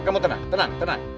kamu tenang tenang tenang